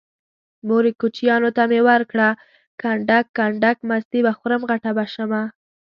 مورې کوچيانو ته مې ورکړه کنډک کنډک مستې به خورم غټه به شمه